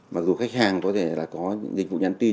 mặc dù khách hàng có thể là có dịch vụ nhắn tin